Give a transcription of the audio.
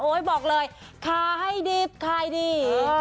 โอ๊ยบอกเลยคายดิบคายดิบ